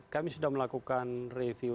kami sudah melakukan review